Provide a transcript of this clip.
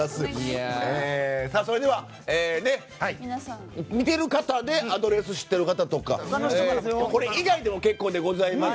それでは、見ている方でアドレス知ってる方とかこれ以外でも結構です。